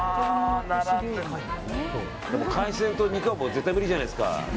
海鮮と肉は絶対無理じゃないですか。